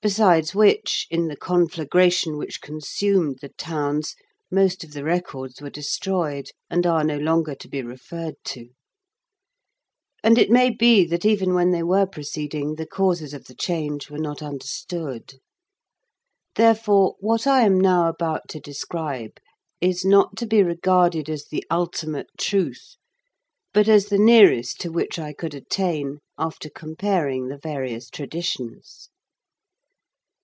Besides which, in the conflagration which consumed the towns, most of the records were destroyed, and are no longer to be referred to. And it may be that even when they were proceeding, the causes of the change were not understood. Therefore, what I am now about to describe is not to be regarded as the ultimate truth, but as the nearest to which I could attain after comparing the various traditions.